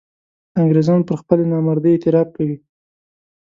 انګرېزان پر خپلې نامردۍ اعتراف کوي.